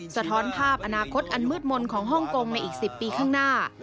สะท้อนภาพอนาคตอันมืดมนต์ของฮ่องกงในอีก๑๐ปีข้างหน้า